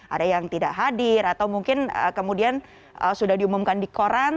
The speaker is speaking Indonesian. ada yang tidak hadir atau mungkin kemudian sudah diumumkan di koran